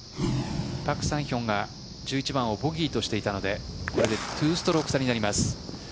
パク・サンヒョンが１１番をボギーとしていたのでこれで２ストローク差になります。